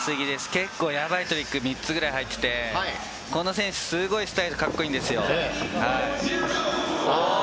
やばいトリック、３つくらい入ってて、この選手、すごいスタイル、カッコいいんですよ。